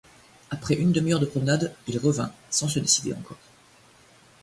Après une demi-heure de promenade, il revint, sans se décider encore.